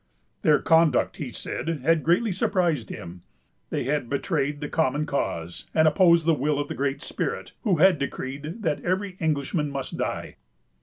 Their conduct, he said, had greatly surprised him. They had betrayed the common cause, and opposed the will of the Great Spirit, who had decreed that every Englishman must die.